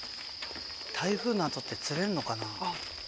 台風の後って釣れるのかな？